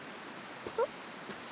えっ？